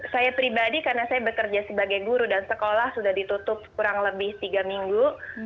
saya pribadi karena saya bekerja sebagai guru dan sekolah sudah ditutup kurang lebih tiga minggu